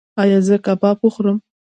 ایا زه کباب وخورم؟